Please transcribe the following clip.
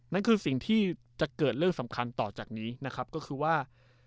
นั่นคือสิ่งที่จะเกิดเรื่องสำคัญต่อจากนี้นะครับก็คือว่า